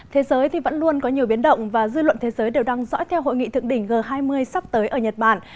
thế giới thì vẫn luôn có nhiều biến động và dư luận thế giới đều đang dõi theo hội nghị thượng đỉnh g hai mươi sắp tới ở nhật bản